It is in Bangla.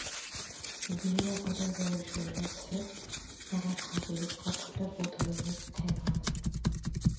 গিনীরা, যাদের বয়স হইয়াছে, তারা ভাবে কথাটা বোধ হয় মিথ্যে নয়।